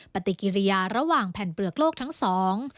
ปฏิกิริยาระหว่างแผ่นเปลือกโลกทั้งสอง